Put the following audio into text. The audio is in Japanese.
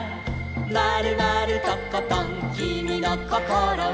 「まるまるとことんきみのこころは」